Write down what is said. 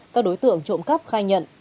các đối tượng trộm cắp khai nhận